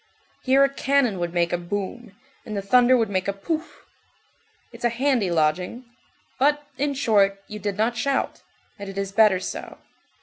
Here a cannon would make a boum, and the thunder would make a pouf. It's a handy lodging. But, in short, you did not shout, and it is better so.